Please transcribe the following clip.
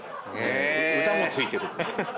歌も付いてるという。